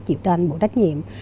chịu đoàn bộ trách nhiệm